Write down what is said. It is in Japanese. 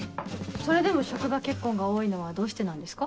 それでも職場結婚が多いのはどうしてなんですか？